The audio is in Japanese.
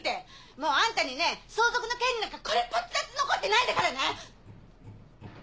もうあんたにね相続の権利なんかこれっぽっちだって残ってないんだからね！